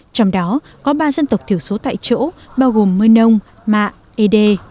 trong đó có ba dân tộc thiểu số tại chỗ bao gồm mơ nông mạ ê đê